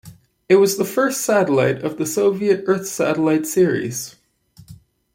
It was the first satellite of the Soviet Earth Satellite series.